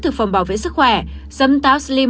thực phẩm bảo vệ sức khỏe sấm táo slim